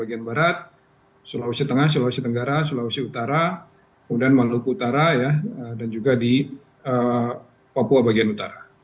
bagian barat sulawesi tengah sulawesi tenggara sulawesi utara kemudian maluku utara dan juga di papua bagian utara